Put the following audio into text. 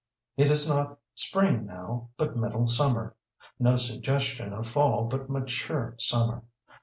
It is not spring now, but middle summer; no suggestion of fall, but mature summer.